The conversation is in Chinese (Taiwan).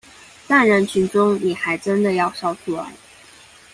但人群中你還真的要笑出來